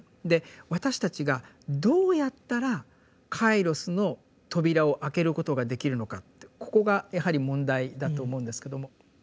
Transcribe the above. で私たちがどうやったら「カイロス」の扉を開けることができるのかってここがやはり問題だと思うんですけども。